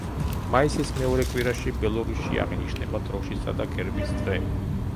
მაისის მეორე კვირაში ბელარუსში აღინიშნება დროშისა და გერბის დღე.